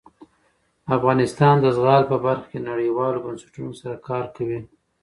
افغانستان د زغال په برخه کې نړیوالو بنسټونو سره کار کوي.